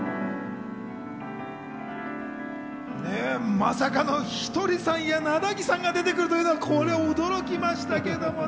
まさかのひとりさんや、なだぎさんも出てくるというこれ驚きましたけども。